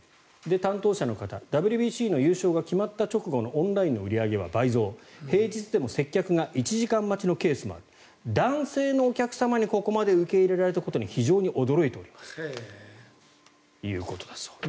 担当者の方ＷＢＣの優勝が決まった直後のオンラインの売り上げは倍増平日でも接客が１時間待ちのケースもある男性のお客様にここまで受け入れられたことに非常に驚いておりますということだそうです。